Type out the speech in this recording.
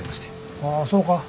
ああそうか。